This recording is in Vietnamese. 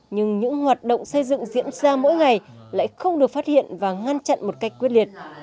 nhưng những hoạt động xây dựng diễn ra mỗi ngày lại không được phát hiện và ngăn chặn một cách quyết liệt